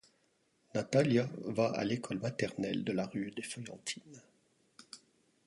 Natalia va à l'école maternelle de la rue des Feuillantines.